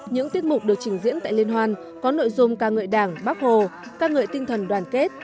những tiết mục được trình diễn tại liên hoan có nội dung ca ngợi đảng bắc hồ ca ngợi tinh thần đoàn kết